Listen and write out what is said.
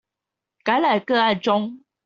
感染個案中